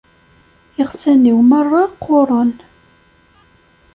Iɣsan-iw merra qquren.